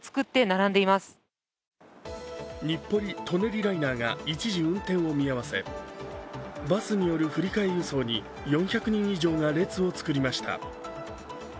舎人ライナーが一時運転を見合わせバスによる振り替え輸送に４００人以上が列を作りました。